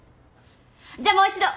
じゃあもう一度。